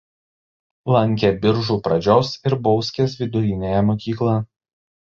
Lankė Biržų pradžios ir Bauskės viduriniąją mokyklą.